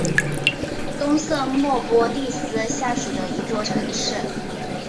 东瑟莫波利斯下属的一座城市。